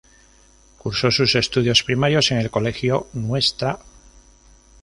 Curso sus estudios primarios en el Colegio Ntra.